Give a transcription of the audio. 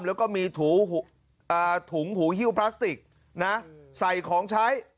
แล้วก็มีถุงหูฮิ้วพลาสติกนะใส่ของใช้